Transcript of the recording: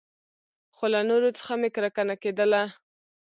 خو له نورو څخه مې کرکه نه کېدله.